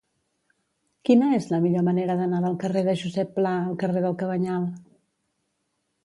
Quina és la millor manera d'anar del carrer de Josep Pla al carrer del Cabanyal?